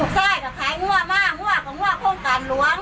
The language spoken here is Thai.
อ๋อเจ้าสีสุข่าวของสิ้นพอได้ด้วย